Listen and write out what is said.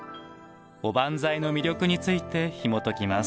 おばんざいの魅力についてひもときます。